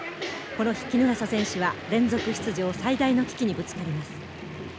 この日衣笠選手は連続出場最大の危機にぶつかります。